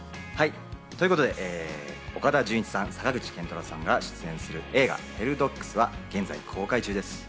ということで岡田准一さん、坂口健太郎さんが出演する映画『ヘルドッグス』は現在、公開中です。